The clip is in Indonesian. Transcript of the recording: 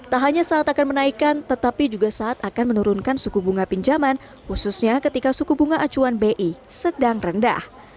tak hanya saat akan menaikkan tetapi juga saat akan menurunkan suku bunga pinjaman khususnya ketika suku bunga acuan bi sedang rendah